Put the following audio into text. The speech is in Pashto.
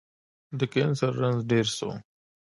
د کېنسر رنځ ډير سو